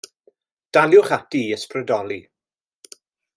Daliwch ati i ysbrydoli.